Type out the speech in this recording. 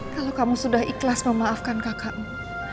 kalau kamu sudah ikhlas memaafkan kakakmu